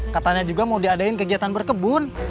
katanya juga mau diadain kegiatan berkebun